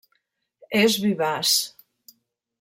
És vivaç.